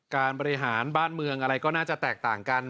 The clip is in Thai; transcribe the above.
การบริหารบ้านเมืองอะไรก็น่าจะแตกต่างกัน